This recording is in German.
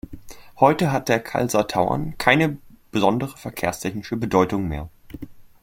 Heute hat der Kalser Tauern keine besondere verkehrstechnische Bedeutung mehr.